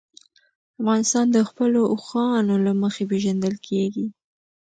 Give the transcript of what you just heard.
افغانستان د خپلو اوښانو له مخې پېژندل کېږي.